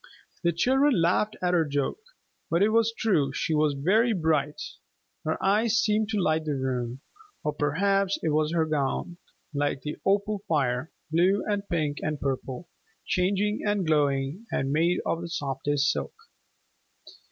The children laughed at her joke. But it was true, she was very bright. Her eyes seemed to light the room, or perhaps it was her gown, like an opal fire, blue and pink and purple, changing and glowing, and made of the softest silk.